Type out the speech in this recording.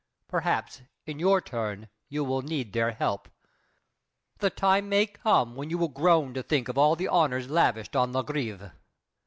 Perhaps, in your turn, you will need their help. The time may come when you will groan to think Of all the honors lavished on La Grève!